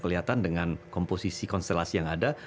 kelihatan dengan komposisi konstelasi yang ada